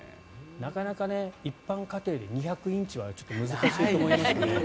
なかなか一般家庭で２００インチはちょっと難しいと思いますね。